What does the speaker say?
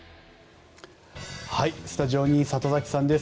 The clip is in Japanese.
スタジオに里崎さんです。